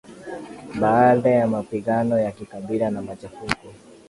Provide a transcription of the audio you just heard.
baada ya mapigano ya kikabila na machafuko